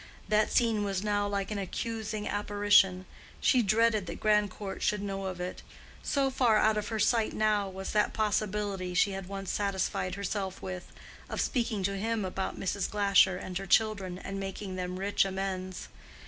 That scene was now like an accusing apparition: she dreaded that Grandcourt should know of it—so far out of her sight now was that possibility she had once satisfied herself with, of speaking to him about Mrs. Glasher and her children, and making them rich amends.